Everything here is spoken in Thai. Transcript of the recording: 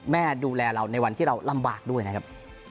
ดูแลเราในวันที่เราลำบากด้วยนะครับ